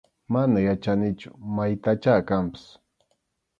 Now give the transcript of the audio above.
Mana yachanichu maytachá kanpas.